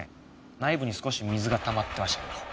内部に少し水が溜まってましたけど。